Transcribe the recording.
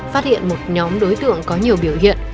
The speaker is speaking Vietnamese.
phát hiện một nhóm đối tượng có nhiều biểu hiện